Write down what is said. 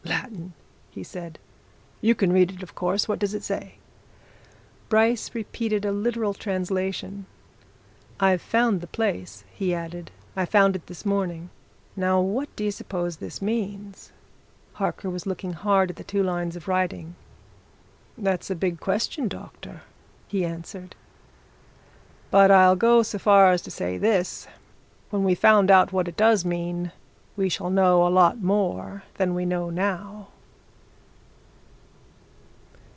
"Latin!" he said. "You can read it, of course. What does it say?" Bryce repeated a literal translation. "I've found the place," he added. "I found it this morning. Now, what do you suppose this means?" Harker was looking hard at the two lines of writing. "That's a big question, doctor," he answered. "But I'll go so far as to say this when we've found out what it does mean, we shall know a lot more than we know now!"